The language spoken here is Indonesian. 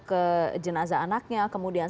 ke jenazah anaknya kemudian